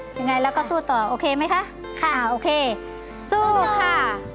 ยังไงแล้วก็สู้ต่อโอเคมั้ยคะคะโอเคสู้ค่ะ